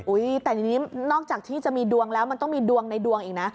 แต่ทีนี้นอกจากที่จะมีดวงแล้วมันต้องมีดวงในดวงอีกนะ